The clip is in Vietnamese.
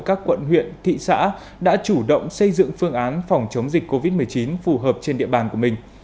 các quận huyện thị xã đã chủ động xây dựng phương án phòng chống dịch covid một mươi chín phù hợp trên địa bàn của mình